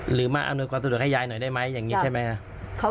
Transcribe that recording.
หรือมาอำนวยความสะดวกให้ยายหน่อยได้ไหมอย่างนี้ใช่ไหมครับ